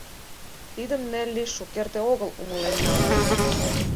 Тидым Нелли шукерте огыл умылен налын.